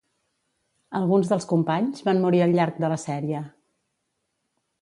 Alguns dels companys van morir al llarg de la sèrie.